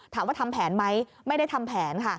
ทำแผนไหมไม่ได้ทำแผนค่ะ